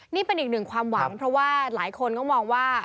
นี่เป็นอีกหนึ่งความหวังเพราะว่าหลายคนก็มองว่า